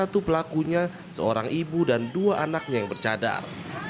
dan salah satu pelakunya seorang ibu dan dua anaknya yang bercadar